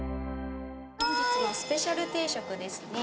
本日のスペシャル定食ですね。